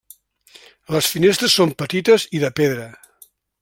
Les finestres són petites i de pedra.